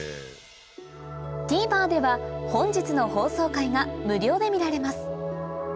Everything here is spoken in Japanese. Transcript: ＴＶｅｒでは本日の放送回が無料で見られます